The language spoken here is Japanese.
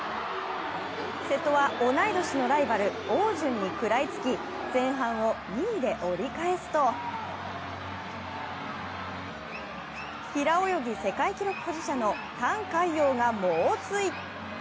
瀬戸は同い年のライバル汪順に食らいつき前半を２位で折り返すと平泳ぎ世界記録保持者の覃海洋が猛追。